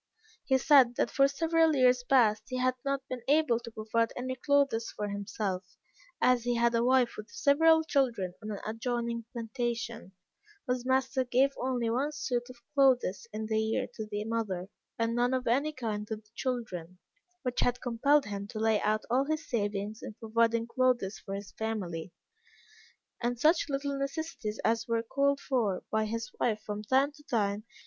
He said, that for several years past, he had not been able to provide any clothes for himself; as he had a wife with several small children, on an adjoining plantation, whose master gave only one suit of clothes in the year to the mother, and none of any kind to the children, which had compelled him to lay out all his savings in providing clothes for his family, and such little necessaries as were called for by his wife from time to time.